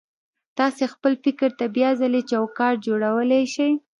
تاسې خپل فکر ته بيا ځلې چوکاټ جوړولای شئ.